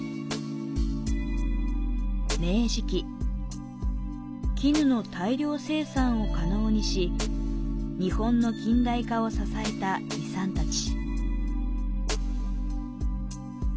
明治期、絹の大量生産を可能にし、日本の近代化を支えた遺産たち。